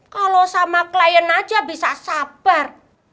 kalau sama klien aja bisa sabar